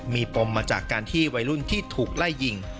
มีปมมาจากการที่วัยรุ่นที่ถูกไล่ยิง